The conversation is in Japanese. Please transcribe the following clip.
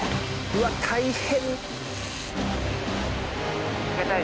うわっ大変。